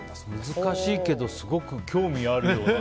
難しいけど、すごく興味ある。